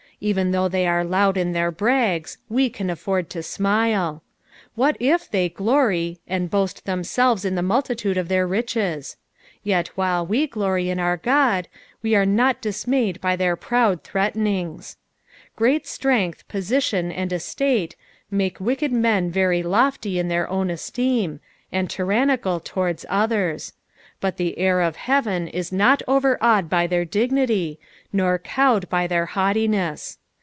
Even though they are loud in their brags, we can afford to smile. What if they glory " and hoad, thenueir^a m tha multitude of their ridutf" yet while we gloir in ourOod we are not dis mayed by their proud threatenings. Great strenglh, position, snd estate, make wicked men very lofty in their own esteem, and tyrannical towards others ; but tha heir of heaven is not overawed by their dignitv, nor cowed by their haughtiness.